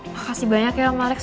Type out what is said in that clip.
makasih banyak ya om alex